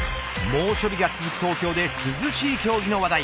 猛暑日が続く東京で涼しい競技の話題。